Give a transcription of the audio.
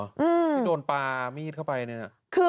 ยินดนพามีดเข้าไปเนี่ย